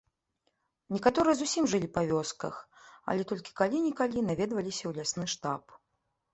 Некаторыя зусім жылі па вёсках, але толькі калі-нікалі наведваліся ў лясны штаб.